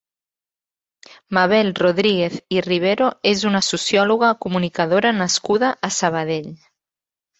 Mabel Rodríguez i Rivero és una sociòloga i comunicadora nascuda a Sabadell.